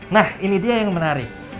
nah ini dia yang menarik